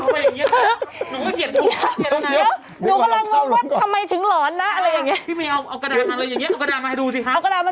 พี่นุ่มทำไมอย่างเงี้ยนุ่มไม่เขียนถูกเขาเขียนละไง